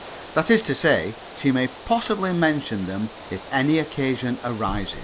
That is to say, she may possibly mention them if any occasion arises.